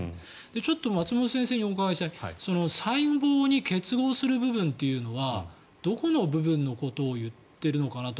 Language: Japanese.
ちょっと松本先生にお伺いしたいんですが細胞に結合する部分というのはどこの部分のことを言っているのかなと。